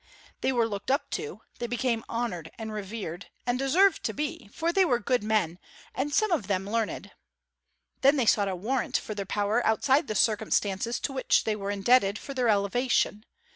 They were looked up to; they became honored and revered; and deserved to be, for they were good men, and some of them learned. Then they sought a warrant for their power outside the circumstances to which they were indebted for their elevation.